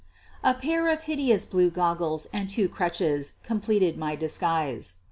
A pair of hideous blue goggles and two crutches t completed my disguise.